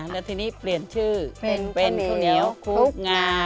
แล้วทีนี้เปลี่ยนชื่อเป็นข้าวเหนียวคุกงา